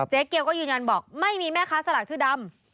เกียวก็ยืนยันบอกไม่มีแม่ค้าสลากชื่อดำ